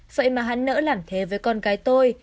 vậy mà hắn nỡ làm thế với con gái tôi